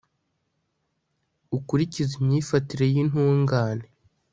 ukurikize imyifatire y'intungane